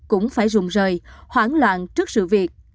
cũng phải rùng rời hoảng loạn trước sự việc